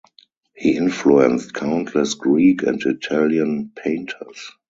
He influenced countless Greek and Italian painters.